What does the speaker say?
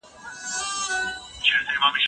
د راتلونکي پلان کول د ماشومانو دنده ده.